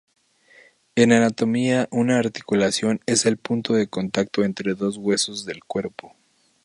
En anatomía una articulación es el punto de contacto entre dos huesos del cuerpo.